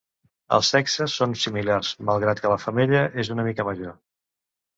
Els sexes són similars, malgrat que la femella és una mica major.